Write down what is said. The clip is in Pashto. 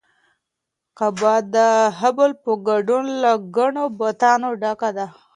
کعبه د هبل په ګډون له ګڼو بتانو ډکه وه.